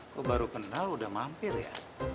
kok baru kenal udah mampir ya